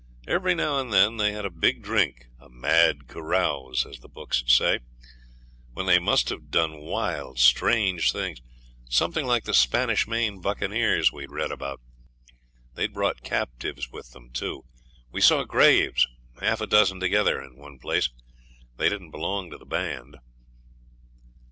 Every now and then they had a big drink 'a mad carouse', as the books say when they must have done wild, strange things, something like the Spanish Main buccaneers we'd read about. They'd brought captives with them, too. We saw graves, half a dozen together, in one place. THEY didn't belong to the band.